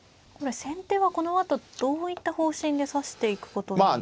これ先手はこのあとどういった方針で指していくことに。